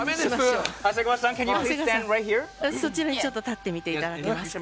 そちらにちょっと立っていただけますか。